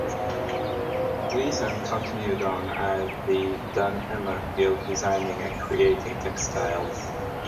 Gleeson continued on as the Dun Emer Guild designing and creating textiles.